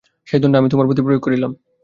সেই দণ্ড আমি তোমার প্রতি প্রয়োগ করিলাম।